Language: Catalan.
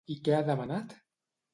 I què ha demanat?